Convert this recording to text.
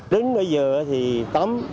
đến bây giờ thì tám năm